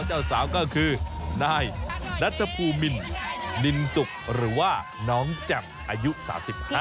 เจ้าสาวก็คือนายนัทภูมินนินสุกหรือว่าน้องแจ่มอายุ๓๕